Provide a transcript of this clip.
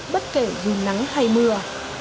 bất kể dù nắng hay mưa